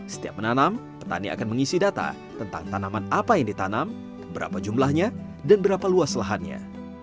setiap menanam petani akan mengisi data tentang tanaman apa yang ditanam berapa jumlahnya dan berapa luas lahannya